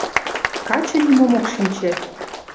Каче нимом ок шинче.